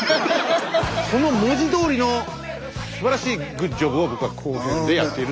その文字どおりのすばらしいグッジョブを僕は後編でやっていると。